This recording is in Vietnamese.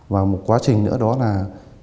và một quá trình nữa là đi hay đi vụ trường